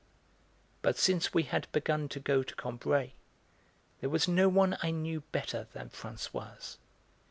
But since we had begun to go to Combray there was no one I knew better than Françoise.